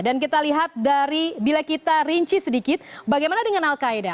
dan kita lihat dari bila kita rinci sedikit bagaimana dengan al qaeda